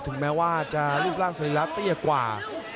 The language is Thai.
ถึงแม้ว่าจะรีบร่างสนิรัติกว่า